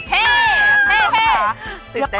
เฮ้เฮ้เฮ้